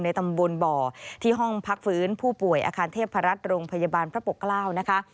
ตำบลบ่อที่ห้องพักฟื้นผู้ป่วยอาคารเทพรัฐโรงพยาบาลพระปกเกล้านะคะ